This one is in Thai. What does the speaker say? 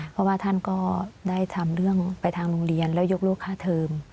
เพราะว่าท่านก็ได้ทำเรื่องไปทางโรงเรียนแล้วยกเลิกค่าเทิม